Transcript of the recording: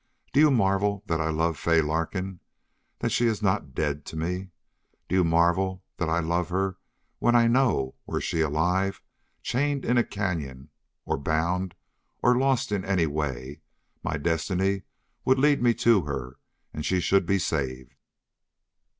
Do you marvel that I love Fay Larkin that she is not dead to me? Do you marvel that I love her, when I KNOW, were she alive, chained in a cañon, or bound, or lost in any way, my destiny would lead me to her, and she should be saved?"